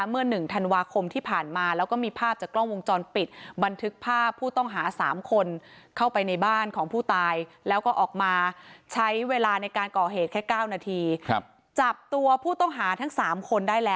เมื่อหนึ่งธันวาคมที่ผ่านมาแล้วก็มีภาพจากกล้องวงจอลปิด